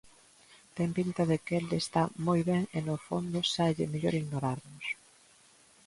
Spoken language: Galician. Ten pinta de que el está moi ben e no fondo sáelle mellor ignorarnos.